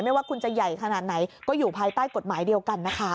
ว่าคุณจะใหญ่ขนาดไหนก็อยู่ภายใต้กฎหมายเดียวกันนะคะ